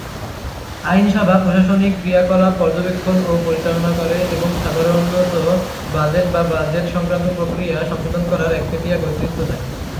আইনসভা প্রশাসনিক ক্রিয়াকলাপ পর্যবেক্ষণ ও পরিচালনা করে এবং সাধারণত বাজেট বা বাজেট সংক্রান্ত প্রক্রিয়া সংশোধন করার একচেটিয়া কর্তৃত্ব থাকে।